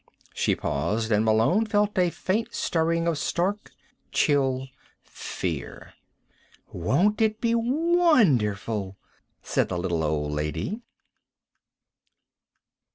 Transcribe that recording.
She paused and Malone felt a faint stirring of stark, chill fear. "Won't it be wonderful?" said the little old lady.